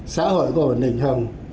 xã hội có ổn định không